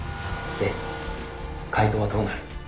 「で解答はどうなる？」